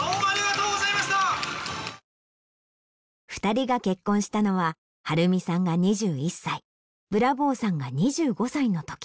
２人が結婚したのは張美さんが２１歳ブラボーさんが２５歳のとき。